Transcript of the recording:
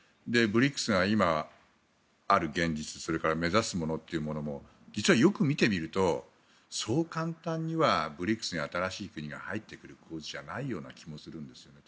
ＢＲＩＣＳが今、ある現実それから目指すものというのも実はよく見てみるとそう簡単にはＢＲＩＣＳに新しい国が入ってくる構図じゃないような気もするんですよね。